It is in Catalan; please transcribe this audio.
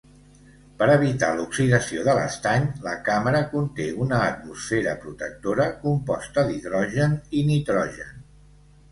Per evitar l'oxidació de l'estany, la càmera conté una atmosfera protectora composta d'hidrogen i nitrogen.